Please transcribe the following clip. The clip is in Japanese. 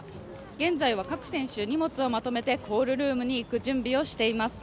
現在は各選手、荷物をまとめてコールルームに向かう準備をしています。